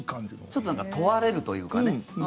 ちょっと問われるというかね。